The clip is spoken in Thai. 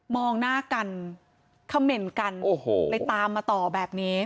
มองหน้ากันเขม่นกันโอ้โหเลยตามมาต่อแบบนี้